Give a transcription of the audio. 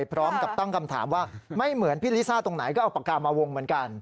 พร้อมกับตั้งคำถามว่าไม่เหมือนพี่ลิซ่าตรงไหนก็เอาปากกามาวงเหมือนกัน